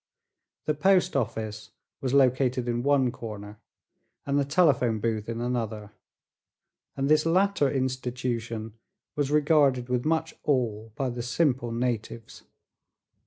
The post office was located in one corner and the telephone booth in another, and this latter institution was regarded with much awe by the simple natives.